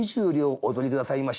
お取り下さいまし。